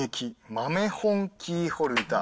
豆本キーホルダー。